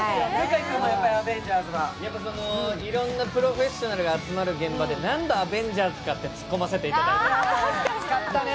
いろんなプロフェッショナルが集まる現場で何度「アベンジャーズか！」ってつっこませてもらったか。